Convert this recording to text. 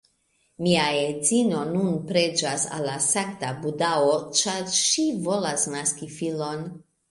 Mia edzino nun preĝas al la sankta Budao ĉar ŝi volas naski filon